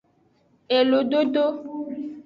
Elododo.